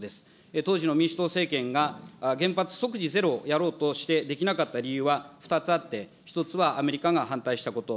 当時の民主党政権が原発即時ゼロをやろうとしてできなかった理由は２つあって、１つはアメリカが反対したこと。